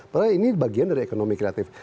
padahal ini bagian dari ekonomi kreatif